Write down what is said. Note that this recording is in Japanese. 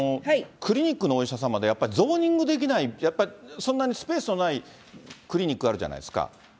クリニックのお医者様で、やっぱりゾーニングできない、やっぱり、そんなにスペースのないクリニックあるじゃないですか。